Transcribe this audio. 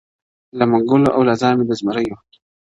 • له منګولو او له زامي د زمریو -